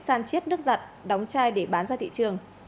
san chiết nước giặt đóng chai để bán ra thị trường